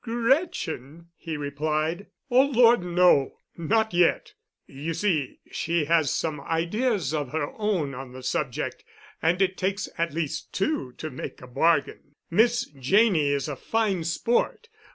"Gretchen?" he replied. "Oh, Lord, no! Not yet. You see she has some ideas of her own on the subject, and it takes at least two to make a bargain. Miss Janney is a fine sport.